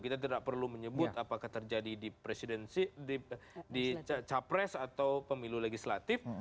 kita tidak perlu menyebut apakah terjadi di presidensi di capres atau pemilu legislatif